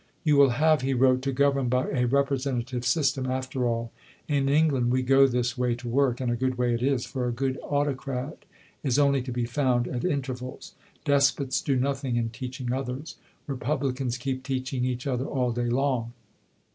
"You will have," he wrote, "to govern by a representative system after all. In England we go this way to work, and a good way it is, for a good autocrat is only to be found at intervals. Despots do nothing in teaching others. Republicans keep teaching each other all day long."